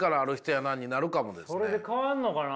それで変わるのかな？